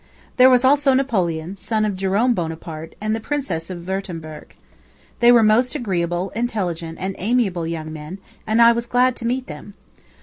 There was also Napoleon, son of Jerome Buonaparte, and the Princess of Wurtemberg. They were most agreeable, intelligent, and amiable young men, and I was glad to meet them.